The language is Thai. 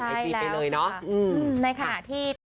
ผ่านไอซีไปเลยเนาะ